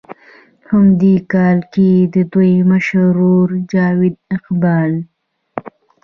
هم دې کال کښې د دوي مشر ورور جاويد اقبال